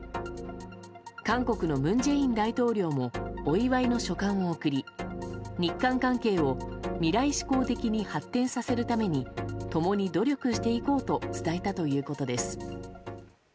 韓国の文在寅大統領もお祝いの書簡を送り日韓関係を未来志向的に発展させるために共に努力していこうと伝えたということです。